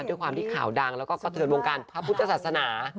ด้วยความที่ข่าวดังแล้วก็กระเทือนวงการพระพุทธศาสนา